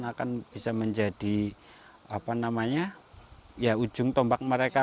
akan bisa menjadi ujung tombak mereka